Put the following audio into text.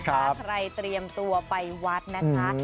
ถ้าใครเตรียมตัวไปวัดนะคะ